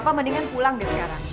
papa mendingan pulang deh sekarang